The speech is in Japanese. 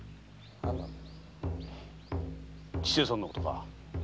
千勢さんのことか。